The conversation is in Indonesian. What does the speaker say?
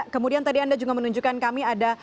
kemudian tadi anda juga menunjukkan kami ada